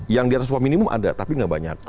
yang di atas upah minimum ada tapi nggak banyak